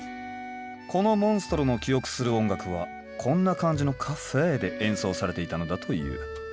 このモンストロの記憶する音楽はこんな感じのカフェーで演奏されていたのだという。